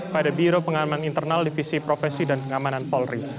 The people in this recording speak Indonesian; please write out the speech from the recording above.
pada biro pengaman internal divisi profesi dan pengamanan polri